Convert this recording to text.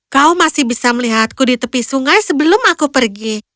kau masih bisa melihatku di tepi sungai sebelum aku pergi